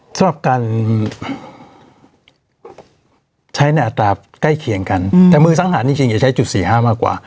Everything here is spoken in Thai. สำหรับการใช้ในอัตราใกล้เคียงกันแต่มือสังหารจริงจะใช้จุด๔๕มากกว่า